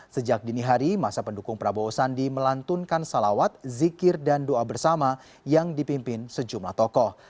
sejak dini hari masa pendukung prabowo sandi melantunkan salawat zikir dan doa bersama yang dipimpin sejumlah tokoh